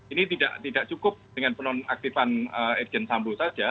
ini tidak cukup dengan penonaktifan irjen sambo saja